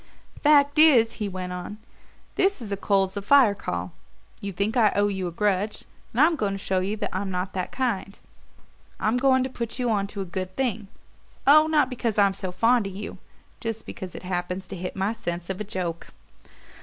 "Fact is," he went on, "this is a coals of fire call. You think I owe you a grudge, and I'm going to show you I'm not that kind. I'm going to put you onto a good thing oh, not because I'm so fond of you; just because it happens to hit my sense of a joke."